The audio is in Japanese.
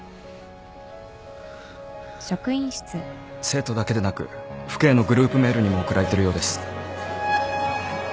生徒だけでなく父兄のグループメールにも送られているようです。